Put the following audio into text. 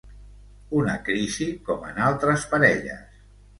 Una crisi com en altres parelles.